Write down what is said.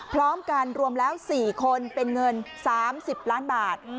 พร้อมกันรวมแล้ว๔คนเป็นเงิน๓๐ล้านบาท